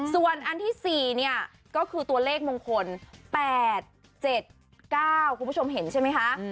ส่วนอันที่๔เนี่ยก็คือตัวเลขมงคล๘๗๙คุณผู้ชมเห็นใช่ไหมคะ